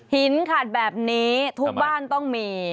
ขาดแบบนี้ทุกบ้านต้องมี